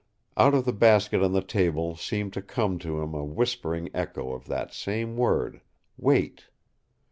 Out of the basket on the table seemed to come to him a whispering echo of that same word wait!